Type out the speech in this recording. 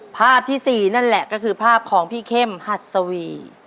ภาพที่๔นั่นแหละก็คือภาพของพี่เข้มหัดสวี